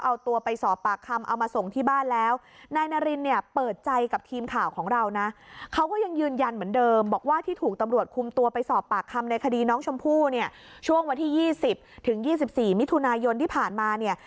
เอาตัวไปสอบปากคำเอามาส่งที่บ้านแล้ว